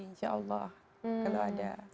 insya allah kalau ada